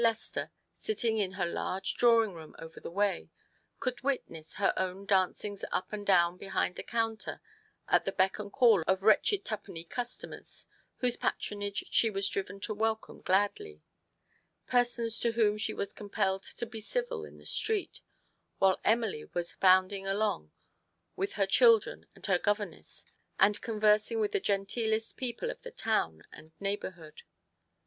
119 Lester, sitting in her large drawing room over the way, could witness her own dancings up and down behind the counter at the beck and call of wretched twopenny customers, whose patronage she was driven to welcome gladly : persons to whom she was compelled to be civil in the street, while Emily was bounding along with her children and her governess, and conversing with the genteelest people of the town and neighbourhood.